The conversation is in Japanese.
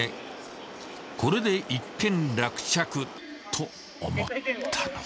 ［これで一件落着と思ったのだが］